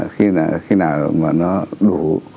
khi nào mà nó đủ